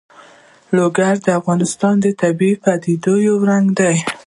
لوگر د افغانستان د طبیعي پدیدو یو رنګ دی.